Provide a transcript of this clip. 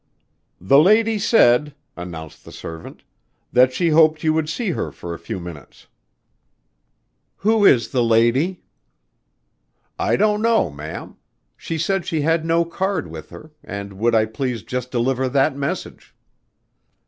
"The lady said," announced the servant, "that she hoped you would see her for a few minutes." "Who is the lady?" "I don't know, ma'am. She said she had no card with her and would I please just deliver that message."